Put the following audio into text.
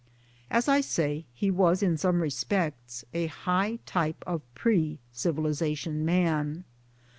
As I say, he was in some respects a high type of pre civilization man.